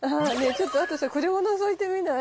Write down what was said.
ちょっとあとさこれものぞいてみない？